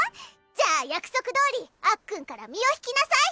じゃあ約束どおりあっくんから身を引きなさい。